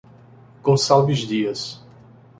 Gonçalves Dias